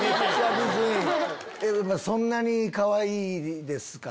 そんなにかわいいですか？